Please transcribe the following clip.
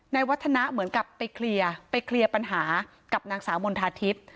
วัฒนะเหมือนกับไปเคลียร์ไปเคลียร์ปัญหากับนางสาวมณฑาทิพย์